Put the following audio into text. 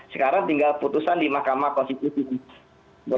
sekarang tinggal putusan di mahkamah konstitusi